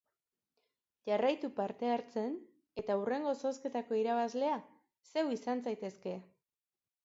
Jarraitu parte hartzen eta hurrengo zozketako irabazlea zu izan zaitezke!